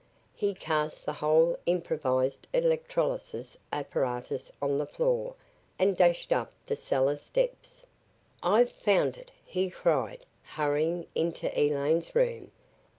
He cast the whole improvised electrolysis apparatus on the floor and dashed up the cellar steps. "I've found it!" he cried, hurrying into Elaine's room.